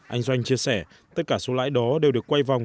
anh doanh chia sẻ tất cả số lãi đó đều được quay vòng